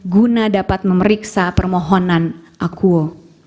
guna dapat memeriksa permohonan akuo